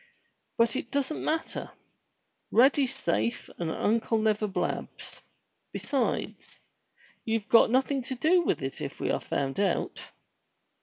But it doesn't matter. Rady's safe and Uncle never blabs. Besides, you've got nothing to do with it if we are found out."